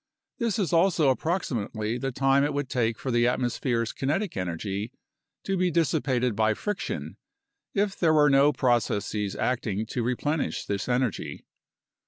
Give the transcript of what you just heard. This is also approximately the time it would take for the atmo sphere's kinetic energy to be dissipated by friction, if there were no processes acting to replenish this energy.